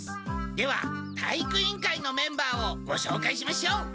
では体育委員会のメンバーをごしょうかいしましょう。